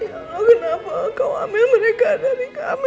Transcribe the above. ya allah kenapa kau ambil mereka dari kami